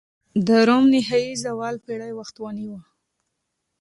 د روم نهايي زوال پېړۍ وخت ونیوه.